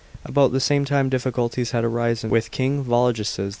About the same time difficulties had arisen with King Vologeses IV.